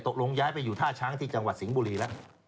ย้ายไปอยู่ท่าช้างที่จังหวัดสิงห์บุรีแล้ว